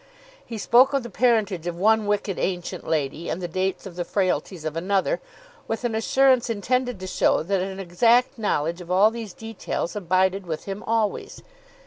He spoke of the parentage of one wicked ancient lady, and the dates of the frailties of another, with an assurance intended to show that an exact knowledge of all these details abided with him always.